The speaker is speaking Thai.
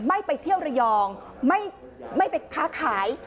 ไม่ไปเที่ยวระยองไม่ไปค้าขาย